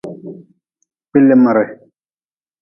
Kpilimre.